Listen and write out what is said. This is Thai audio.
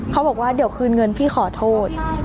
เขาบอกว่าเดี๋ยวคืนเงินพี่ขอโทษ